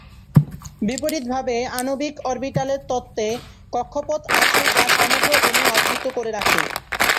বিপরীতভাবে, আণবিক অরবিটাল তত্ত্বে, কক্ষপথ আছে যা সমগ্র অণু আবৃত করে রাখে।